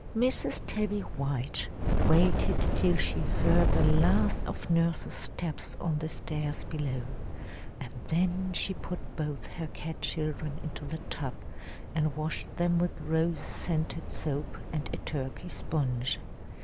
"Mrs. Tabby White waited till she heard the last of Nurse's steps on the stairs below, and then she put both her cat children into the tub, and washed them with rose scented soap and a Turkey sponge.